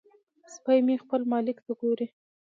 سپی مې خپل مالک ته ګوري.